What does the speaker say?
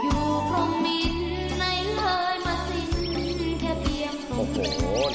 เจ้าอยู่พร้อมบินไหนเคยมาสิ้นแค่เพียงตรงนี้